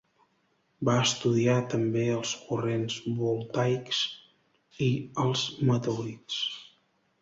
Va estudiar també els corrents voltaics i els meteorits.